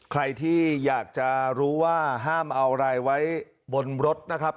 ใครที่อยากจะรู้ว่าห้ามเอาอะไรไว้บนรถนะครับ